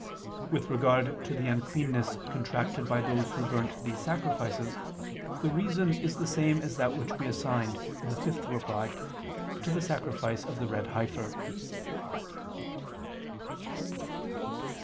With regard to the uncleanness contracted by those who burnt these sacrifices, the reason is the same as that which we assigned (ad 5) to the sacrifice of the red heifer.